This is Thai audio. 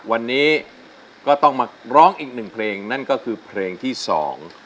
วันนี้ก็ต้องมาร้องอีกหนึ่งเพลงนั่นก็คือเพลงที่สอง